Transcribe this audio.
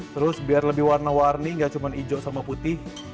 terus biar lebih warna warni nggak cuma hijau sama putih